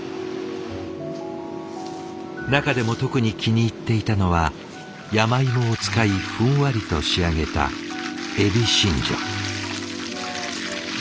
中でも特に気に入っていたのは山芋を使いふんわりと仕上げたえびしんじょ。